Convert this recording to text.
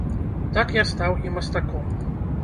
Так я стаў і мастаком.